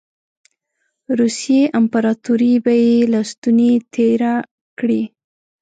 روسیې امپراطوري به یې له ستوني تېره کړي.